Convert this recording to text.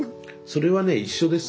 それはね一緒です。